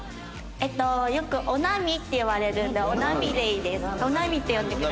えっとよくおなみって呼ばれるんでおなみでいいです。